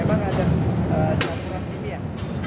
memang ada jantungan kimia